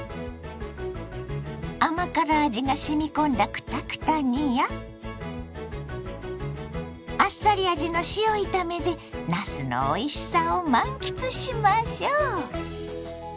甘辛味がしみ込んだクタクタ煮やあっさり味の塩炒めでなすのおいしさを満喫しましょ。